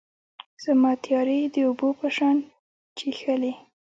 زما تیارې یې د اوبو په شان چیښلي